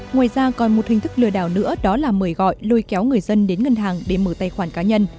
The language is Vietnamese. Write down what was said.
ngoài ra còn một hình thức lừa đảo nữa đó là mời gọi lôi kéo người dân đến ngân hàng để mở tài khoản cá nhân